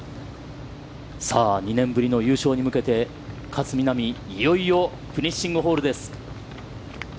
さあ２年ぶりの優勝に向けて勝みなみ、いよいよ、フィニッシングホールです。